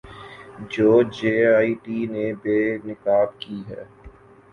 جو J I T نے بے نقاب کی ہیں